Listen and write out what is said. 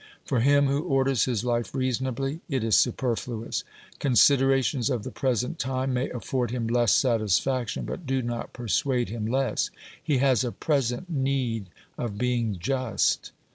For him who orders his life reasonably, it is superfluous ; considerations of the present time may afford him less satisfaction but do not persuade him less ; he has a present need of being just.